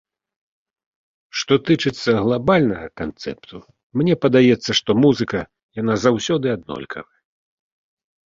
Што тычыцца глабальнага канцэпту, мне падаецца, што музыка, яна заўсёды аднолькавая.